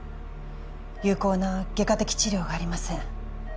有効な外科的治療がありません